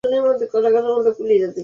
সে বলেছে, হৃদয় বরাবর গেঁথে দিতে হবে!